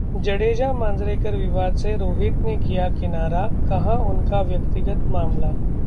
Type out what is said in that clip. जडेजा-मांजरेकर विवाद से रोहित ने किया किनारा, कहा- उनका व्यक्तिगत मामला